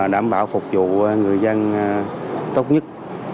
đảm bảo phục vụ người dân tốt nhất